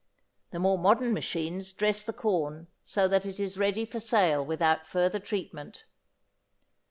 The more modern machines dress the corn so that it is ready for sale without further treatment.